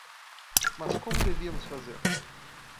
Mas como devíamos fazer?